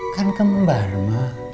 kan kembar mah